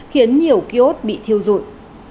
khiến nhiều kiếu ốt bị thiêu rụi